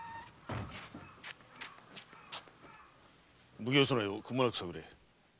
奉行所内をくまなく探れ。